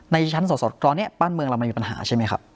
ในชั้นสดตอนนี้บ้านเมืองเราไม่มีปัญหาใช่ไหมครับ